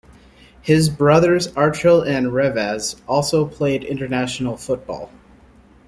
His brothers Archil and Revaz also played International football.